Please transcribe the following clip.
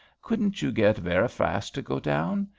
Couldn't you get Veriphast to go down?